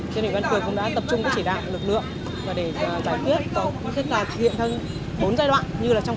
thì ban phường cũng đã xây dựng một kế hoạch để triển khai về tăng cường